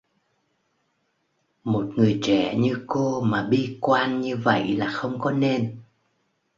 Một người trẻ như cô mà bi quan như vậy là không có nên